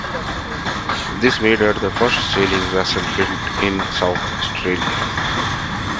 This made her the first sailing vessel built in South Australia.